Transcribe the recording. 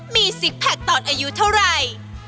มีซิกแพคตอนอายุเท่าไหร่